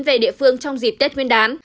về địa phương trong dịp tết nguyên đán